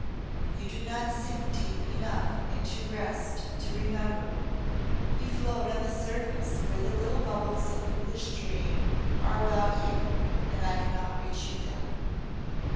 You do not sink deep enough into rest to remember. You float on the surface where the little bubbles of foolish dream are about you and I cannot reach you then."